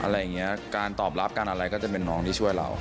อะไรอย่างนี้การตอบรับการอะไรก็จะเป็นน้องที่ช่วยเรา